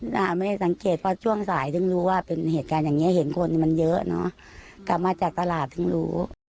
นักฯไปได้สังเกตุเพราะตรงข้างใสถึงรู้ว่าเป็นเหตุการณ์กันอย่างนี้เห็นคนมันเยอะตามมาจากตลาดถึงรู้